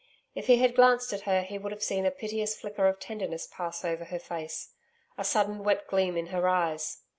If he had glanced at her he would have seen a piteous flicker of tenderness pass over her face a sudden wet gleam in her eyes.